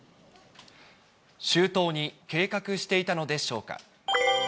周到に計画していたのでしょうか。